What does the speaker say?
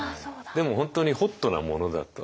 でも本当にホットなものだったわけで。